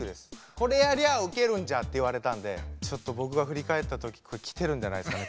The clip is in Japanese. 「これやりゃウケるんじゃ」って言われたんでちょっと僕が振り返った時きてるんじゃないですかね